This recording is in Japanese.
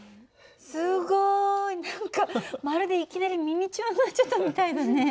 すごい！何かまるでいきなりミニチュアになっちゃったみたいだね。